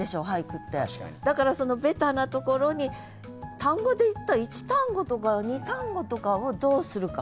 だからそのベタなところに単語でいったら１単語とか２単語とかをどうするか。